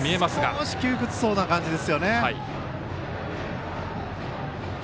少し窮屈そうな感じですよね。